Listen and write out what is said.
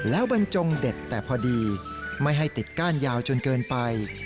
แล้วบรรจงเด็ดแต่พอดีไม่ให้ติดก้านยาวจนเกินไป